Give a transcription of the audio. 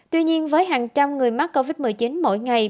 tuy nhiên với hàng trăm người mắc covid một mươi chín mỗi ngày